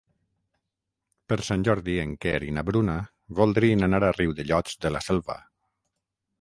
Per Sant Jordi en Quer i na Bruna voldrien anar a Riudellots de la Selva.